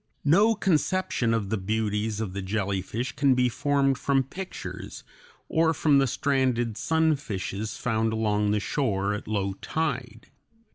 ] No conception of the beauties of the jellyfish can be formed from pictures, or from the stranded "sunfishes" found along the shore at low tide.